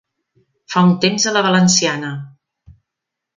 Fa un temps a la valenciana.